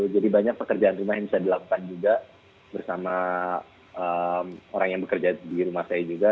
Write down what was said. jadi banyak pekerjaan rumah yang bisa dilakukan juga bersama orang yang bekerja di rumah saya juga